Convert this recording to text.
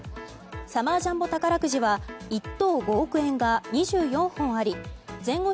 サマージャンボ宝くじは１等５億円が２４本あり前後